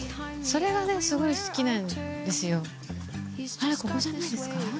あらここじゃないですか？